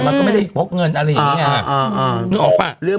มันก็ไม่ได้พกเงินอะไรอย่างงี้อ่าอ่าอ่านึกออกปะเรื่อง